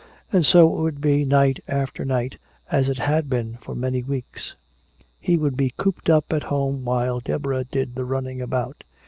And so it would be night after night, as it had been for many weeks. He would be cooped up at home while Deborah did the running about....